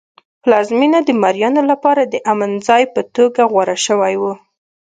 پلازمېنه د مریانو لپاره د امن ځای په توګه غوره شوی و.